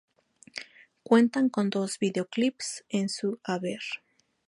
Cuentan con dos videoclips en su haber.